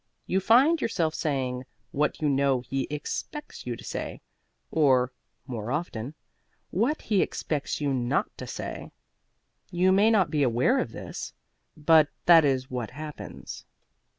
You find yourself saying what you know he expects you to say, or (more often) what he expects you not to say. You may not be aware of this, but that is what happens.